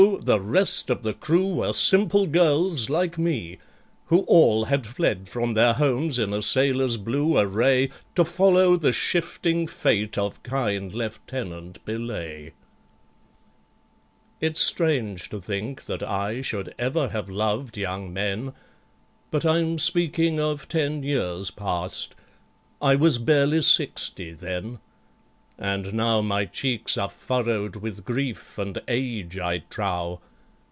the rest of the crew were simple girls, like me, Who all had fled from their homes in a sailor's blue array, To follow the shifting fate of kind LIEUTENANT BELAYE. It's strange to think that I should ever have loved young men, But I'm speaking of ten years past—I was barely sixty then, And now my cheeks are furrowed with grief and age, I trow!